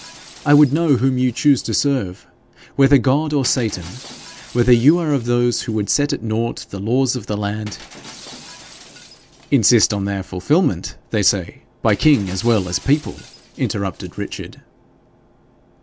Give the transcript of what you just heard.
'I would know whom you choose to serve whether God or Satan; whether you are of those who would set at nought the laws of the land ' 'Insist on their fulfilment, they say, by king as well as people' interrupted Richard.